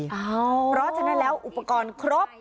เพราะฉะนั้นแล้วอุปกรณ์ครบ